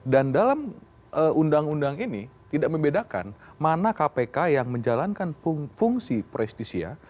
dan dalam undang undang ini tidak membedakan mana kpk yang menjalankan fungsi prestisia